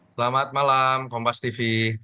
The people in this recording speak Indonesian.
selamat malam kompas tv